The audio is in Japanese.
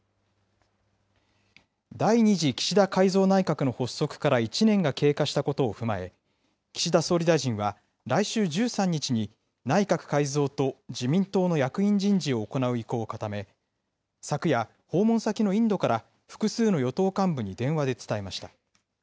第２次岸田改造内閣の発足から１年が経過したことを踏まえ、岸田総理大臣は来週１３日に内閣改造と自民党の役員人事を行う意向を固め、昨夜、訪問先のインドから複数の与党幹部に電話で伝えました。